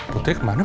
putri kemana pak